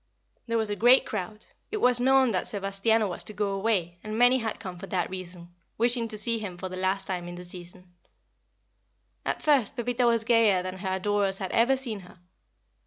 There was a great crowd. It was known that Sebastiano was to go away, and many had come for that reason, wishing to see him for the last time in the season. At first Pepita was gayer than her adorers had ever seen her.